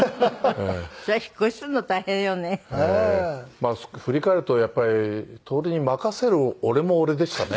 まあ振り返るとやっぱり徹に任せる俺も俺でしたね。